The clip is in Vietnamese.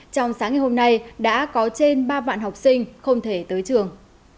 trong sáng ngày hôm nay đã có trên ba vạn học sinh không thể tới trường